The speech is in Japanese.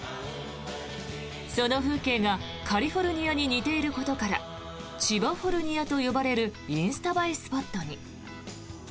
その風景がカリフォルニアに似ていることから千葉フォルニアと呼ばれるインスタ映えスポットに。